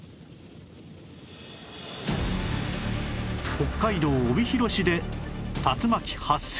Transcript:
北海道帯広市で竜巻発生